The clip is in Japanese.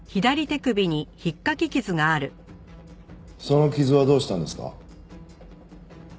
その傷はどうしたんですか？